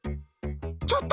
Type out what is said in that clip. ちょっと！